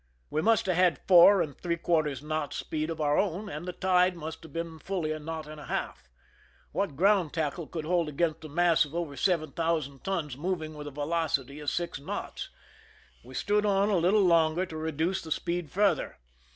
We must have had four and three quarters knots' speed of our own, and the tide must have been fully a knot and a half. What ground tackle could hold against a mass of over seven thousand tons moving with a velocity of six knots ? We stood on a little longer to reduce the speed further.